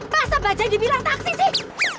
masa bajanya dibilang taksi sih